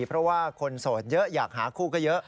เพราะว่าคนโสดเยอะอยากหาคู่ก็เยอะ